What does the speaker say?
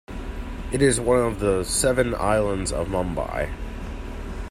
It is one of the seven islands of Mumbai.